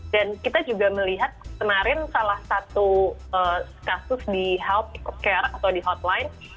dan kita juga melihat kemarin salah satu kasus di healthcare atau di hotline